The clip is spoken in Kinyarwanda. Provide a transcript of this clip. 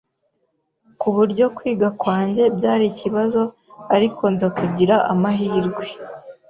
ku buryo kwiga kwanjye byari ikibazo ariko nza kugira amahirwe